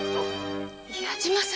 矢島様！？